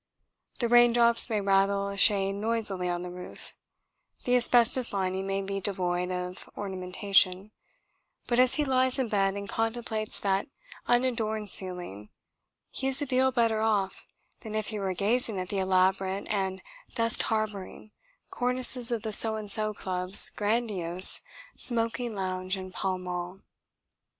The rain drops may rattle a shade noisily on the roof, the asbestos lining may be devoid of ornamentation, but as he lies in bed and contemplates that unadorned ceiling he is a deal better off than if he were gazing at the elaborate (and dust harbouring) cornices of the So and So Club's grandiose smoking lounge in Pall Mall.